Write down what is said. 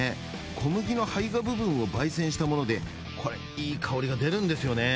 小麦のはい芽部分を焙煎したものでこれいい香りが出るんですよね